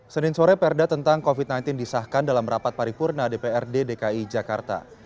senin sore perda tentang covid sembilan belas disahkan dalam rapat paripurna dprd dki jakarta